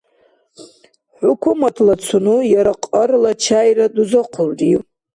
ХӀукуматлацуну яра кьарла чайра дузахъулрив?